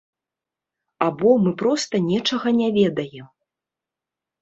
Або мы проста нечага не ведаем.